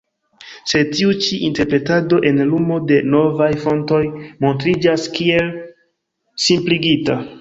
Sed tiu ĉi interpretado en lumo de novaj fontoj montriĝas kiel simpligita.